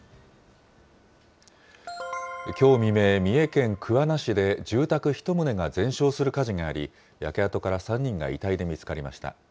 きょう未明、三重県桑名市で住宅１棟が全焼する火事があり、焼け跡から３人が遺体で見つかりました。